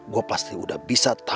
gua pasti udah bisa tangkapnya